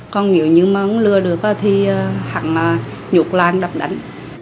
còn nếu như mà không lừa được thì hẳn nhục là đập đánh